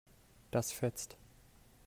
Das fetzt.